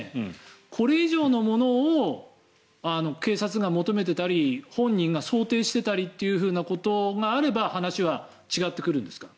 これ以上のものを警察が求めていたり本人が想定してたりというふうなことがあれば話は違ってくるんですか？